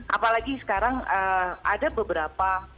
apalagi sekarang ada beberapa